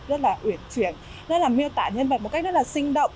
rất là uyển chuyển rất là miêu tả nhân vật một cách rất là sinh động